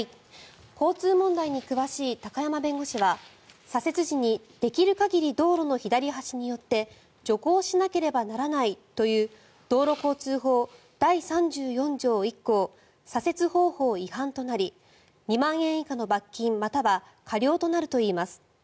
交通問題に詳しい高山弁護士は左折時にできる限り道路の左端に寄って徐行しなければならないという道路交通法第３４条１項左折方法違反となり２万円以下の罰金または科料となるといいます。